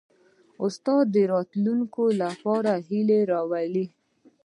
استاد د راتلونکي لپاره هیله راولي.